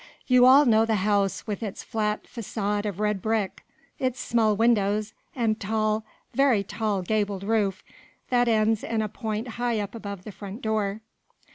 You all know the house with its flat façade of red brick, its small windows and tall, very tall gabled roof that ends in a point high up above the front door.